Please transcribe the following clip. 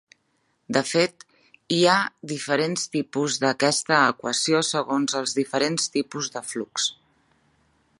De fet, hi ha diferents tipus d'aquesta equació segons els diferents tipus de flux.